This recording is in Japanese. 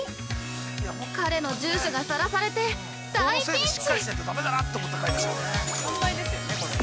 ◆彼の住所がさらされて大ピンチ！